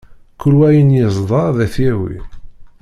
Kul wa ayen iẓda ad t-yawi.